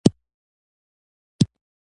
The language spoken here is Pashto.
د احمد دا خواري په تندي کې ليکلې ده.